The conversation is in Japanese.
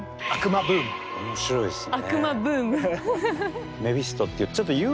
面白いですね。